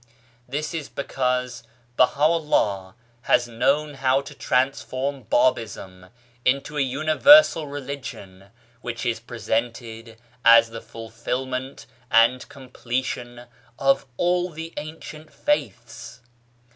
This is because Baha'u'llah has known how to transform Babism into a universal religion, which is presented as the fulfilment and completion of all the ancient faiths.